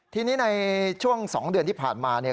ทีนี้ในช่วง๒เดือนที่ผ่านมาเนี่ย